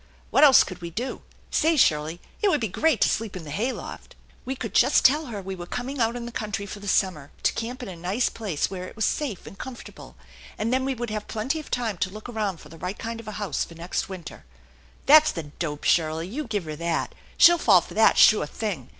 " What else could we do ? Say, Shirley, it would be great to sleep in the hay loft !" "We could just tell her we were coming out in the country for the summer to camp in a nice place where it was safe and comfortable, and then we would have plenty of time to look around for the right kind of a house for next winter." " That's the dope, Shirley ! You give her that. She'll fall for that, sure thing.